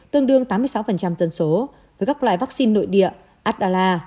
tương đương tám mươi sáu tân số với các loại vaccine nội địa adala